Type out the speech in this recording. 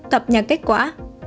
tập nhạc kết quả